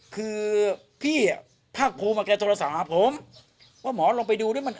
คือพี่อ่ะภาคภูมิแกโทรศัพท์หาผมว่าหมอลงไปดูด้วยมัน